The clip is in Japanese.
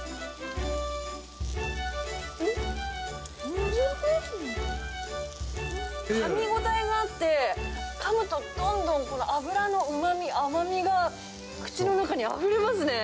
うん、かみ応えがあって、かむとどんどん、この脂のうまみ、甘みが口の中にあふれますね。